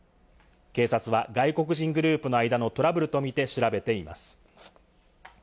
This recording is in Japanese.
警察は外国人グループの間のトラブルとみて調べています。